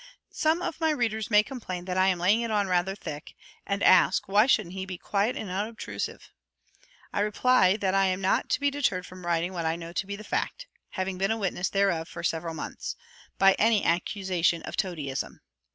Some of my readers may complain that I am "laying it on rather thick," and ask "Why shouldn't he be quiet and unobtrusive?" I reply that I am not to be deterred from writing what I know to be the fact (having been a witness thereof for several months) by any accusation of toadyism.